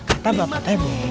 kata bapak teh boh